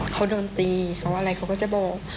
เขาโดนตีเขาอะไรเขาก็จะบอก